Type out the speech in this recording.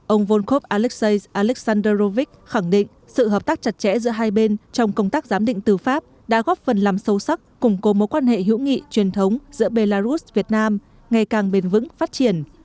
ông volkov alexei alexander rovic khẳng định sự hợp tác chặt chẽ giữa hai bên trong công tác giám định tư pháp đã góp phần làm sâu sắc củng cố mối quan hệ hữu nghị truyền thống giữa belarus việt nam ngày càng bền vững phát triển